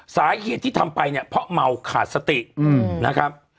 สาเหตุที่ทำไปเนี่ยเพราะเมาขาดสตินะครับ